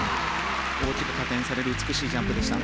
大きく加点される美しいジャンプでした。